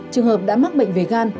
trường hợp đã mắc bệnh về gan